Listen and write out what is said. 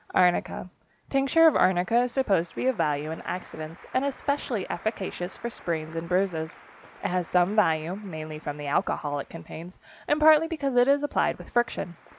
=Arnica.= Tincture of arnica is supposed to be of value in accidents, and especially efficacious for sprains and bruises. It has some value, mainly from the alcohol it contains and partly because it is applied with friction.